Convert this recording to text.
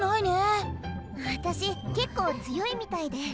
私結構強いみたいで。